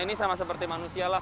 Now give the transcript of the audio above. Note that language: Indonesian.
ini sama seperti manusia lah